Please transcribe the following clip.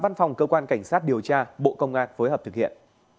văn phòng cơ quan cảnh sát điều tra bộ công an phối hợp thực hiện